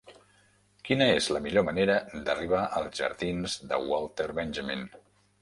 Quina és la millor manera d'arribar als jardins de Walter Benjamin?